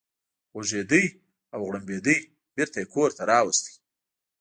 غوږېده او غړمبېده، بېرته یې کور ته راوست.